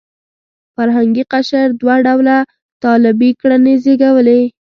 فرهنګي قشر دوه ډوله طالبي کړنې زېږولې.